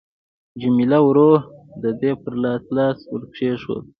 جميله ورو د دې پر لاس لاس ورکښېښود.